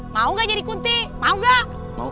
mau gak jadi kunti mau gak mau